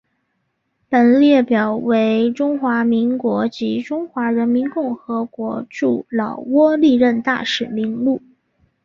本列表为中华民国及中华人民共和国驻老挝历任大使名录。